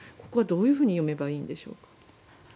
ここはどういうふうに読めばいいんでしょう。